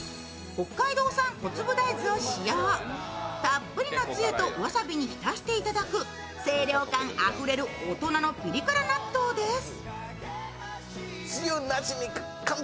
たっぷりのつゆと、わさびに浸していただく清涼感あふれる大人のピリ辛納豆です。